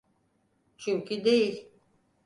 Çünkü değil.